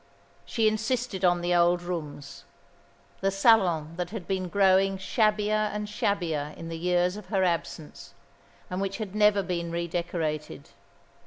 She insisted on the old rooms, the salon that had been growing shabbier and shabbier in the years of her absence, and which had never been redecorated.